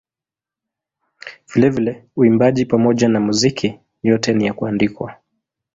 Vilevile uimbaji pamoja na muziki yote ni ya kuandikwa.